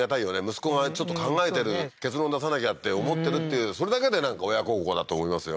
息子がちょっと考えてる結論出さなきゃって思ってるっていうそれだけでなんか親孝行だと思いますよ